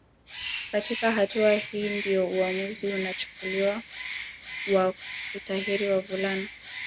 katika hatua hii ndio uamuzi unachukuliwa wa kutahiri wavulana